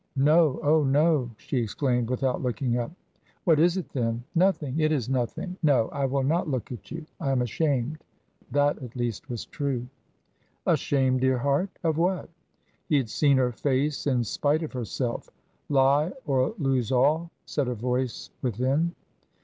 "No oh, no!" she exclaimed without looking up. "What is it then?" "Nothing it is nothing no, I will not look at you I am ashamed." That at least was true. "Ashamed, dear heart! Of what?" He had seen her face in spite of herself. Lie, or lose all, said a voice within.